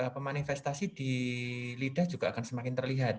pemanifestasi di lidah juga akan semakin terlihat